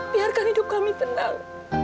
biarkan hidup kami tenang